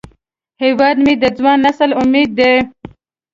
هیواد مې د ځوان نسل امید دی